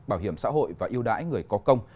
bảo hiểm xã hội và yêu đãi người có công